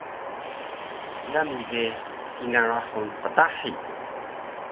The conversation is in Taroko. Yami ge kingal rahul qtahi